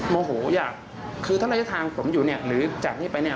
มันโมโหอย่างคือเท่าไหร่ทางผมอยู่เนี่ยหรือจากที่ไปเนี่ย